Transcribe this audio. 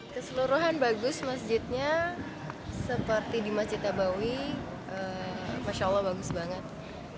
keseluruhan bagus masjidnya seperti di masjid nabawi masya allah bagus banget